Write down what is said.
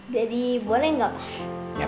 jadi boleh gak